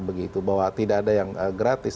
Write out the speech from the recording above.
begitu bahwa tidak ada yang gratis